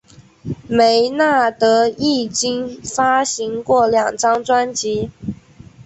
梅纳德迄今已发行过两张专辑。